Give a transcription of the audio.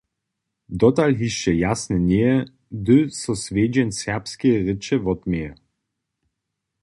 Dotal hišće jasne njeje, hdy so swjedźeń serbskeje rěče wotměje.